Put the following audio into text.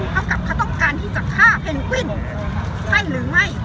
เท่ากับเขาต้องการที่จะฆ่าเพนกวินใช่หรือไม่